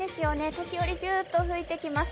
時折、ぴゅーっと吹いてきます。